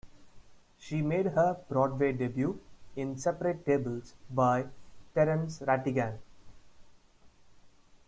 She made her Broadway debut in "Separate Tables" by Terence Rattigan.